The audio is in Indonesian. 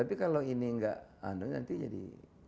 ini gak nanti jadi